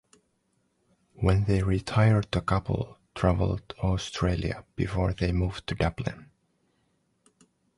When they retired the couple travelled Australia before they moved to Dublin.